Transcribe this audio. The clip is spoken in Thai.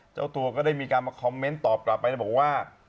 เจ้าตัวก็ได้มีการมาคอมเมนต์ตอบกลับไปแล้วบอกว่า